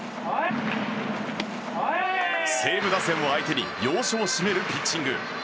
西武打線を相手に要所を締めるピッチング。